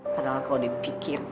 padahal kalau dipikir